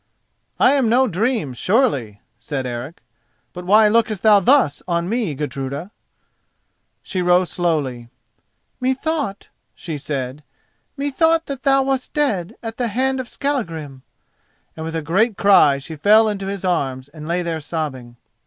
"I am no dream, surely," said Eric; "but why lookest thou thus on me, Gudruda?" She rose slowly. "Methought," she said, "methought that thou wast dead at the hand of Skallagrim." And with a great cry she fell into his arms and lay there sobbing.